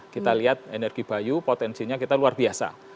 kita lihat energi bayu potensinya kita luar biasa